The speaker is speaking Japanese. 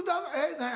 何や？